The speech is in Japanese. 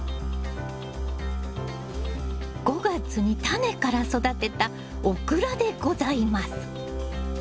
５月にタネから育てたオクラでございます。